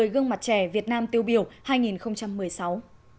một mươi gương mặt trẻ việt nam tiêu biểu hai nghìn một mươi sáu